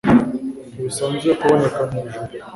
ntibisanzwe kuboneka mwijuru